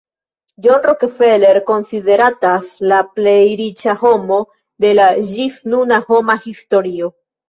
John Rockefeller konsideratas la plej riĉa homo de la ĝisnuna homa historio.